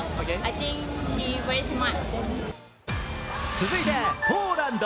続いてポーランド。